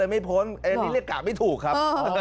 ก็เลยไม่โพสต์อันนี้เรียกกะไม่ถูกครับ